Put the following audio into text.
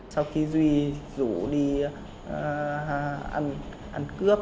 sau khi duy rủ đi ăn cướp